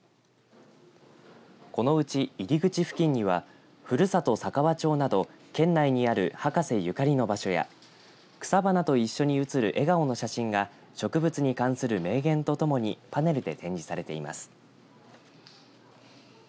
このうち入り口付近にはふるさと佐川町など県内にある博士ゆかりの場所や草花と一緒に映る笑顔の写真が植物に関する明言とともにパネルで展示されています。